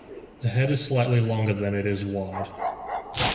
The head is slightly longer than it is wide.